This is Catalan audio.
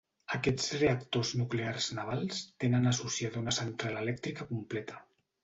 Aquests reactors nuclears navals tenen associada una central elèctrica completa.